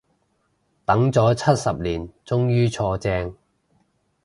等咗七十年終於坐正